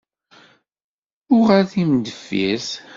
UƔal timendeffert!